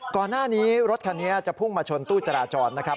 ก่อนหน้านี้รถคันจะพุ่งมะชนตู้จราจร